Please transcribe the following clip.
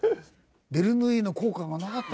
ベルヌーイの効果がなかった。